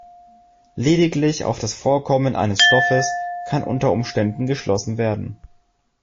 Lediglich auf das Vorkommen eines Stoffes kann unter Umständen geschlossen werden.